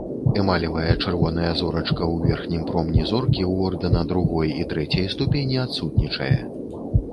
Эмалевая чырвоная зорачка ў верхнім промні зоркі ў ордэна другой і трэцяй ступені адсутнічае.